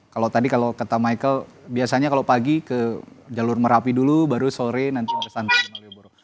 kalau tadi kalau kata michael biasanya kalau pagi ke jalur merapi dulu baru sore nanti ada santai malioboro